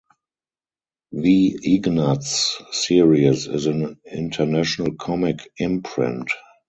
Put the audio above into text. The Ignatz Series is an international comic imprint.